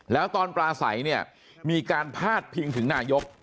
แล้วตอนปลาใสเนี่ยมีการพาดพิงถึงนายก